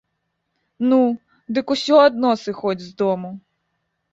Ну, дык усё адно сыходзь з дому.